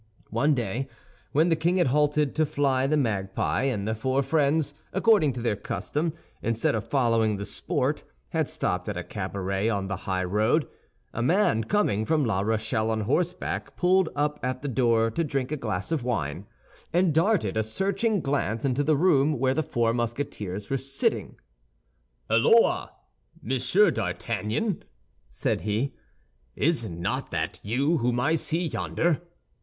One day, when the king had halted to fly the magpie, and the four friends, according to their custom, instead of following the sport had stopped at a cabaret on the high road, a man coming from la Rochelle on horseback pulled up at the door to drink a glass of wine, and darted a searching glance into the room where the four Musketeers were sitting. "Holloa, Monsieur d'Artagnan!" said he, "is not that you whom I see yonder?"